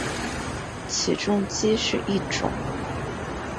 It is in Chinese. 起重机是一种。